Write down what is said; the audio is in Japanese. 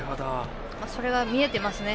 それは見えていますね